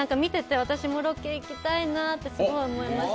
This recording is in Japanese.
私もロケ行きたいなってすごい思いました。